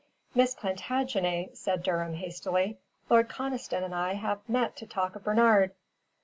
"Miss Plantagenet," said Durham, hastily. "Lord Conniston and I have met to talk of Bernard."